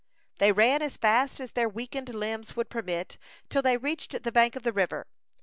They ran as fast as their weakened limbs would permit, till they reached the bank of the river.